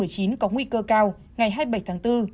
có nguy cơ cao ngày hai mươi bảy tháng bốn